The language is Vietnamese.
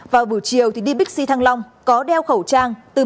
vào buổi chiều thì đi bixi thăng long có đeo khẩu trang